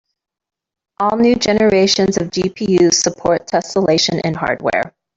All new generations of GPUs support tesselation in hardware.